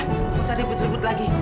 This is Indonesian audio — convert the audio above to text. nggak usah ribut ribut lagi